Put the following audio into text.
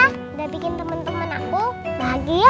udah bikin temen temen aku bahagia